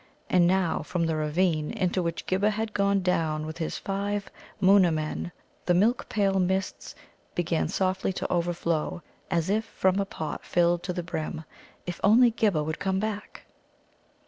And now from the ravine into which Ghibba had gone down with his five Moona men the milk pale mists began softly to overflow, as if from a pot filled to the brim. If only Ghibba would come back!